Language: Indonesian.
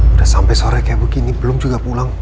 udah sampai sore kayak begini belum juga pulang